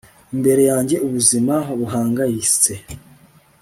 Imbere yanjye ubuzima buhangayitse